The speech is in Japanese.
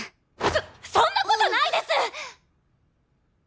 そそんなことないです！